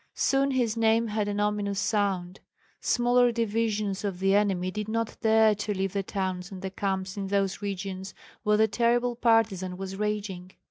Soon his name had an ominous sound. Smaller divisions of the enemy did not dare to leave the towns and the camps in those regions where the terrible partisan was raging.